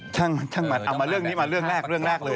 ช่างมันช่างมันเอามาเรื่องนี้มาเรื่องแรกเรื่องแรกเลย